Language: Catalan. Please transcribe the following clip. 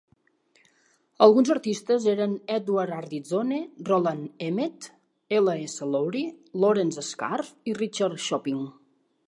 Alguns artistes eren Edward Ardizzone, Roland Emmett, L. S. Lowry, Lawrence Scarfe i Richard Chopping.